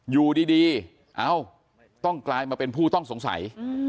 อยู่ดีเอ้าต้องกลายมาเป็นผู้ต้องสงสัย